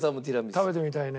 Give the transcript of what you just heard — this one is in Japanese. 食べてみたいね。